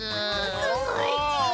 すごいち！